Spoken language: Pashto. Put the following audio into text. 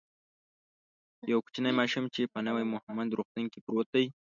یو کوچنی ماشوم چی په نوی مهمند روغتون کی پروت دی